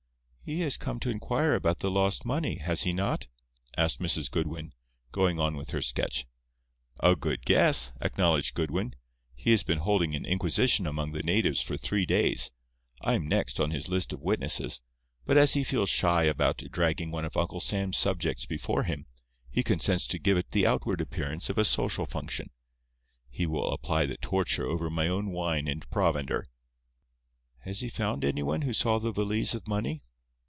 "He has come to inquire about the lost money, has he not?" asked Mrs. Goodwin, going on with her sketch. "A good guess!" acknowledged Goodwin. "He has been holding an inquisition among the natives for three days. I am next on his list of witnesses, but as he feels shy about dragging one of Uncle Sam's subjects before him, he consents to give it the outward appearance of a social function. He will apply the torture over my own wine and provender." "Has he found anyone who saw the valise of money?"